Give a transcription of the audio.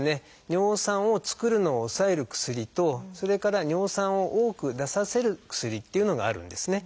尿酸を作るのを抑える薬とそれから尿酸を多く出させる薬というのがあるんですね。